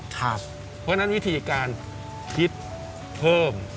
เพราะฉะนั้นวิธีการคิดเพิ่ม